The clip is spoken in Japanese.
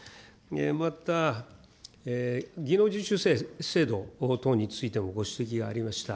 また、技能実習生制度等についてもご指摘がありました。